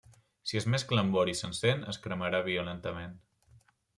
Si es mescla amb bor i s'encén, es cremarà violentament.